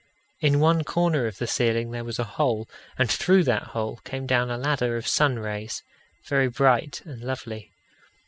In one corner of the ceiling there was a hole, and through that hole came down a ladder of sun rays very bright and lovely.